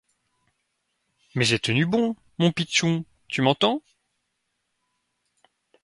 Mais j’ai tenu bon, mon pitchoun, tu m’entends ?